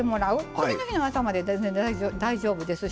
次の日の朝まで全然大丈夫ですし。